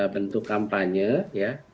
bentuk kampanye ya